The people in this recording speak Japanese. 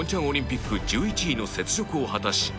オリンピック１１位の雪辱を果たし